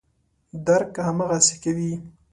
درک هماغسې کوي.